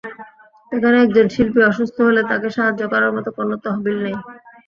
এখানে একজন শিল্পী অসুস্থ হলে তাঁকে সাহায্য করার মতো কোনো তহবিল নেই।